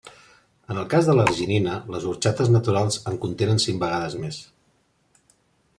En el cas de l'arginina, les orxates naturals en contenen cinc vegades més.